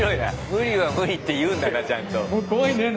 無理は無理って言うんだねちゃんと。